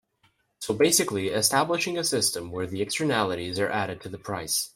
So basically establishing a system where the externalities are added to the price.